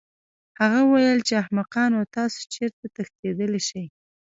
هغه وویل چې احمقانو تاسو چېرته تښتېدلی شئ